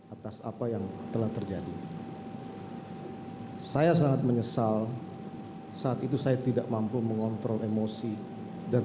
atas apa yang telah terjadi saya sangat menyesal saat itu saya tidak mampu mengontrol emosi dan